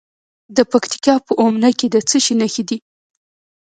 د پکتیکا په اومنه کې د څه شي نښې دي؟